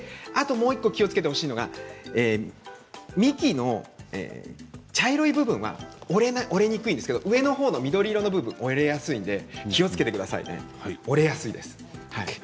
もう１つ気をつけてほしいのが幹の茶色い部分は折れにくいんですけど上のほうの緑色の部分は折れやすいので気をつけてください。